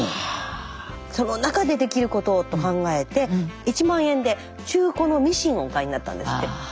その中でできることをと考えて１万円で中古のミシンをお買いになったんですって。